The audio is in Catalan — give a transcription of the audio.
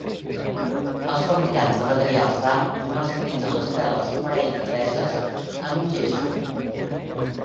Els fabricants de materials d'art comercialitzen les teles preimpreses amb gesso.